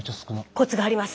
コツがあります。